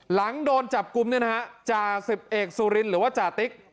หลังโดนจับกลุ่มเนี่ยนะฮะจ่าสิบเอกสุรินหรือว่าจ่าติ๊ก